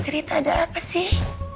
cerita ada apa sih